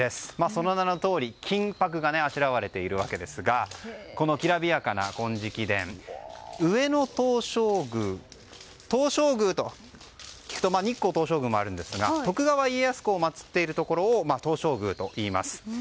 その名のとおり金箔があしらわれているわけですがこのきらびやかな金色殿上野東照宮東照宮と聞くと日光東照宮もあるのですが徳川家康公を祭っているところを東照宮といいます。